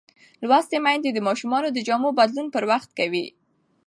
لوستې میندې د ماشومانو د جامو بدلون پر وخت کوي.